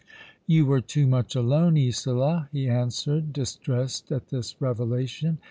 *' You were too much alone, Isola," he answered, distressed at this revelation.